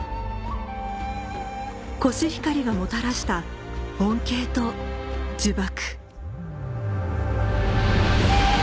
コシヒカリがもたらした恩恵と呪縛